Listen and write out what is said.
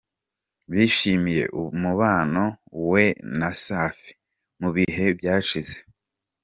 bishimiye umubano we na Safi mu bihe byashize.